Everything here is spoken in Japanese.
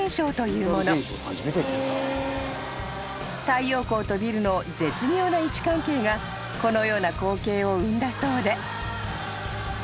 ［太陽光とビルの絶妙な位置関係がこのような光景を生んだそうで］